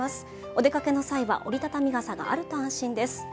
お出掛けの際は折り畳み傘があると安心です。